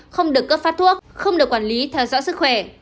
không được cấp phát thuốc không được quản lý theo dõi sức khỏe